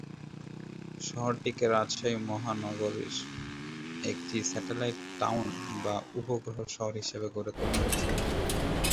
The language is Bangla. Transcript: শহরটিকে রাজশাহী মহানগরীর একটি স্যাটেলাইট টাউন বা উপগ্রহ শহর হিসেবে গড়ে তোলা হয়েছে।